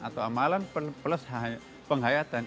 atau amalan plus penghayatan